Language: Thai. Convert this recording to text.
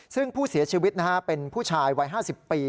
ซึ่งผู้เสียชีวิตเป็นผู้ชายวัย๕๐ปี